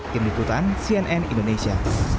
kini ikutan cnn indonesia